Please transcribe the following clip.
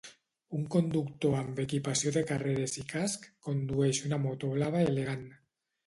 Un conductor amb equipació de carreres i casc condueix una moto blava elegant